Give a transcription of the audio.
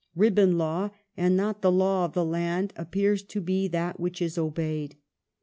... Ribbon law and not the law of the land appeal's to be that which is obeyed.